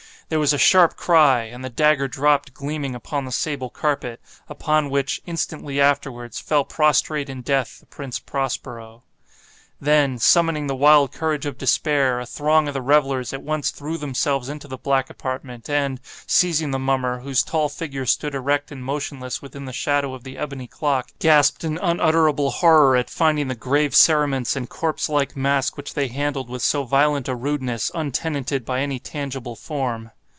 There was a sharp cry—and the dagger dropped gleaming upon the sable carpet, upon which, instantly afterwards, fell prostrate in death the Prince Prospero. Then, summoning the wild courage of despair, a throng of the revellers at once threw themselves into the black apartment, and, seizing the mummer, whose tall figure stood erect and motionless within the shadow of the ebony clock, gasped in unutterable horror at finding the grave cerements and corpse like mask which they handled with so violent a rudeness, untenanted by any tangible form.